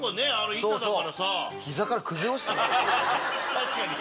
確かに！